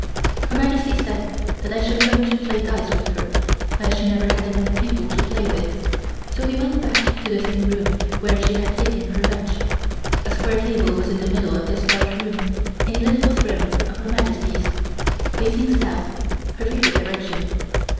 Her Majesty said that I should learn to play dice with her, as she never had enough people to play with, so we went back to the same room where she had taken her lunch. A square table was in the middle of this large room and a little throne of Her Majesty's, facing south (her favorite direction).